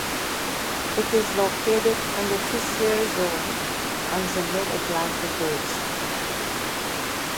It is located on the fissure zone of the Mid-Atlantic Ridge.